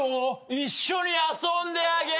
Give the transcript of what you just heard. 一緒に遊んであげる。